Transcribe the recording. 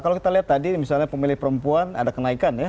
kalau kita lihat tadi misalnya pemilih perempuan ada kenaikan ya